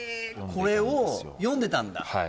これを読んでたんだは